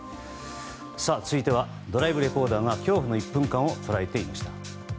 続いてはドライブレコーダーが恐怖の１分間を捉えていました。